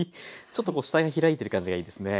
ちょっとこう下に開いてる感じがいいですね。